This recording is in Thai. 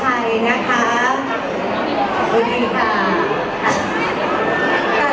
ไม่ต้องถามไม่ต้องถาม